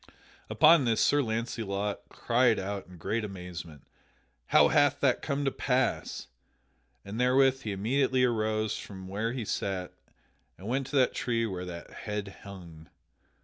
Upon this Sir Launcelot cried out in great amazement, "How hath that come to pass?" and therewith he immediately arose from where he sat and went to that tree where the head hung.